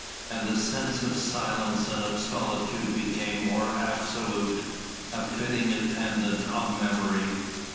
And the sense of silence and of solitude became more absolute, a fitting attendant on memory.